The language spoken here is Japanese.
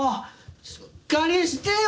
しっかりしてよ！